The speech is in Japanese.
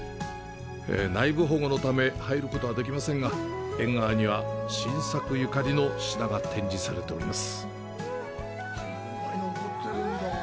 内部保護のため、入ることはできませんが、縁側には晋作ゆかりの品が展示されています。